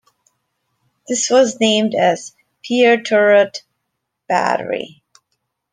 This was named as 'Pier Turret Battery'.